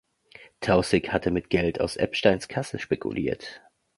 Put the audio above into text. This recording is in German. Taussig hatte mit Geld aus Epsteins Kasse spekuliert.